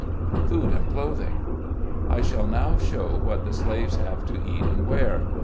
FOOD AND CLOTHING. I shall now show what the slaves have to eat and wear.